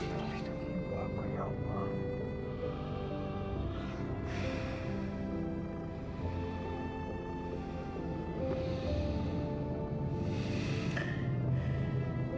tolong lindungi aku ya allah